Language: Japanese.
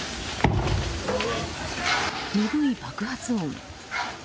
鈍い爆発音。